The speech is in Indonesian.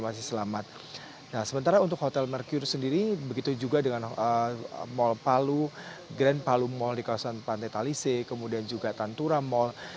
nah sementara untuk hotel merkur sendiri begitu juga dengan mall palu grand palu mall di kawasan pantai talise kemudian juga tantura mall